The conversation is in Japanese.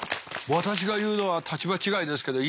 私が言うのは立場違いですけどいい。